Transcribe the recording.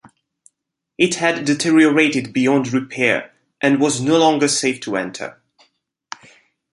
It had deteriorated beyond repair and was no longer safe to enter.